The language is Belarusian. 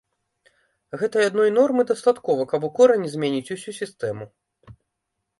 Гэтай адной нормы дастаткова, каб у корані змяніць усю сістэму.